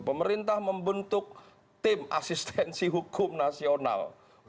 pemerintah membentuk tim asistensi hukum nasional